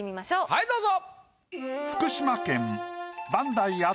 はいどうぞ。